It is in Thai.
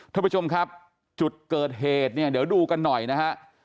ท่านผู้ชมครับจุดเกิดเหตุเนี่ยเดี๋ยวดูกันหน่อยนะฮะ